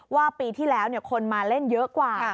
ว่าปีที่แล้วคนมาเล่นเยอะกว่า